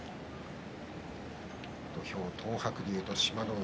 土俵、東白龍と志摩ノ海。